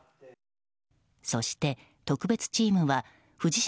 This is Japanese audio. そして、特別チームは藤島